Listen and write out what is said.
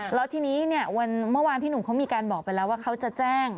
แล้วทีนี้เนี่ยเมื่อวานพี่หนุ่มเขามีการบอกไปแล้วว่าเขาจะแจ้ง